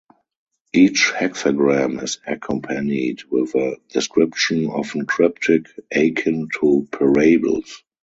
Each hexagram is accompanied with a description, often cryptic, akin to parables.